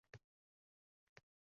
Vaqt bering.